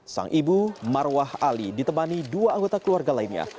sang ibu marwah ali ditemani dua anggota keluarga lainnya